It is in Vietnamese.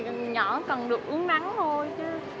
cái này nhỏ cần được uống nắng thôi chứ